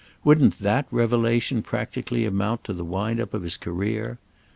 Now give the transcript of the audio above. Wouldn't that revelation practically amount to the wind up of his career?